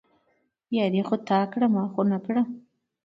ياري خو تا کړه، ما خو نه کړه